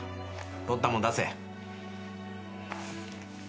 とったもん出せ。